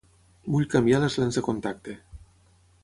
Vull canviar les lents de contacte.